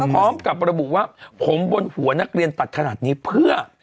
พร้อมกับระบุว่าผมบนหัวนักเรียนตัดขนาดนี้เพื่อ